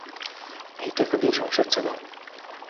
এই টাকা দিয়ে সংসার চালাইয়েন।